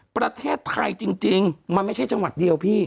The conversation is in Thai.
ประเทศไทยจริงมันไม่ใช่จังหวัดเดียวพี่